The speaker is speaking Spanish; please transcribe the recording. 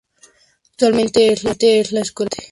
Actualmente es la Escuela de Arte La Palma.